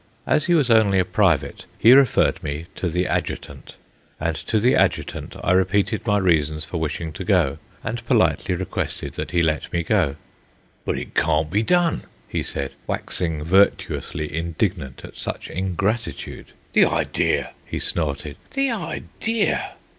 As he was only a private, he referred me to the adjutant, and to the adjutant I repeated my reasons for wishing to go, and politely requested that he let me go. "But it cawn't be done," he said, waxing virtuously indignant at such ingratitude. "The idea!" he snorted. "The idea!"